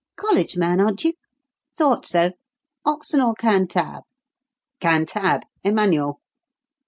College man, aren't you? Thought so. Oxon or Cantab?" "Cantab Emmanuel."